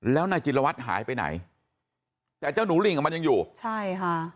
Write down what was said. แล้วนายจิลวัตรหายไปไหนแต่เจ้าหนูลิงอ่ะมันยังอยู่ใช่ค่ะ